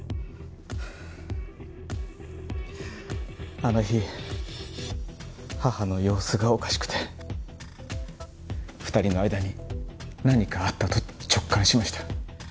あの日母の様子がおかしくて２人の間に何かあったと直感しました。